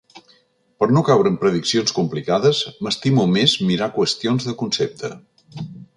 Per no caure en prediccions complicades, m’estimo més mirar qüestions de concepte.